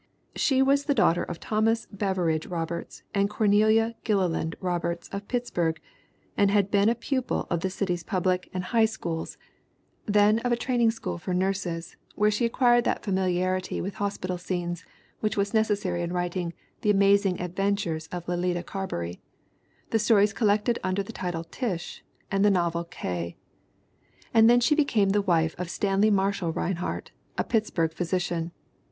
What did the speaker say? She was the daughter of Thomas Beveridge Rob erts and Cornelia (Gilleland) Roberts of Pittsburgh, and had been a pupil of the city's public and high 54 MARY ROBERTS RINEHART 55 schools, then of a training school for nurses where she acquired that familiarity with hospital scenes which was necessary in writing The Amazing Adven tures of Letitia Carberry, the stories collected under the title Tish and the novel K. And then she became the wife of Stanley Marshall Rinehart, a Pittsburgh physician.